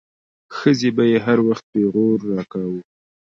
ښځې به يې هر وخت پيغور راکاوه.